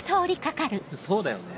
そうだよね。